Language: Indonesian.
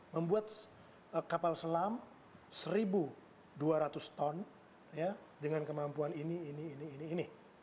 membuat kapal selam seribu dua ratus ton dengan kemampuan ini ini ini ini ini